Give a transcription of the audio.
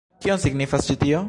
Kion signifas ĉi tio?